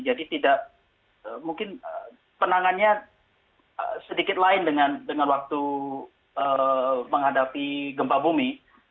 jadi tidak mungkin penangannya sedikit lain dengan waktu menghadapi gempa bumi